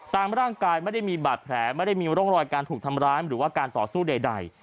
ตามร่างกายไม่ได้มีบาดแผลไม่ได้มีร่องรอยการถูกทำร้ายหรือว่าการต่อสู้ใด